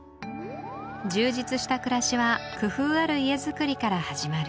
充実した暮らしは工夫ある家づくりから始まる